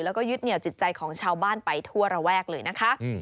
แล้วก็ยึดเหนียวจิตใจของชาวบ้านไปทั่วระแวกเลยนะคะ